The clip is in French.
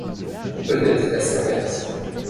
Ou peut-être est-ce l’inverse.